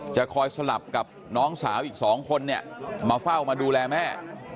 จะคอยสลับกับน้องสาวอีก๒คนเนี่ยมาเฝ้ามาดูแลแม่